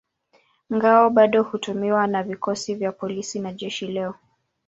Ngao bado hutumiwa na vikosi vya polisi na jeshi leo.